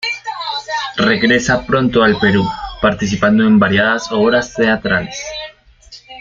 Regresa pronto al Perú, participando en variadas obras teatrales.